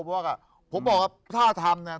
เพราะว่าผมบอกว่าถ้าทำเนี่ย